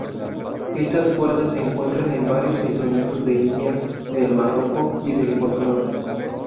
Estas cuerdas se encuentran en varios instrumentos de India, del Barroco y del folclor.